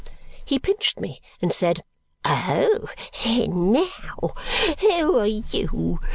he pinched me and said, "Oh, then! Now! Who are you!